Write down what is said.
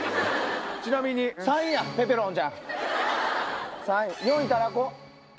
ちなみに３位やペペロンちゃん！